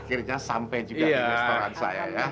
akhirnya sampai juga di restoran saya ya